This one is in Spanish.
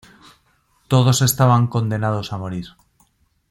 Todos estaban condenados a morir.